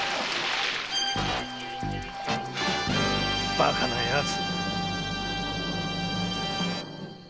バカなやつ。